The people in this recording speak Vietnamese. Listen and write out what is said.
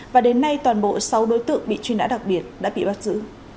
và đến nay toàn bộ sáu đối tượng bị truy nã đặc biệt đã bị bắt giữ